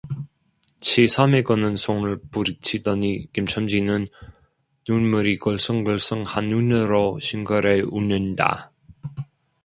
치삼의 끄는 손을 뿌리치더니 김첨지는 눈물이 글썽글썽한 눈으로 싱그레 웃는다.